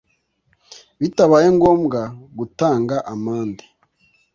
bitabaye ngombwa gutanga amande